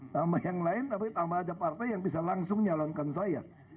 tambah yang lain tapi tambah ada partai yang bisa langsung nyalonkan saya